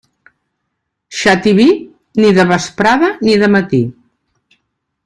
Xativí, ni de vesprada ni de matí.